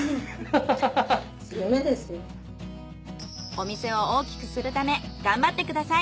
お店を大きくするため頑張ってください。